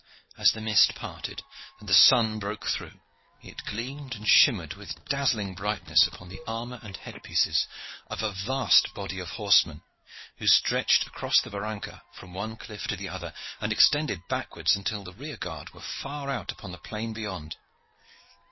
As the mist parted, and the sun broke through, it gleamed and shimmered with dazzling brightness upon the armor and headpieces of a vast body of horsemen who stretched across the barranca from one cliff to the other, and extended backwards until their rear guard were far out upon the plain beyond.